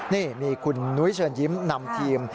นี่มีคุณนุ้ยเชิญยิ้มนำทีม